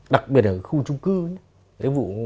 đặc biệt là khu trung cư